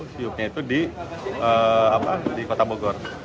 siupnya itu di kota bogor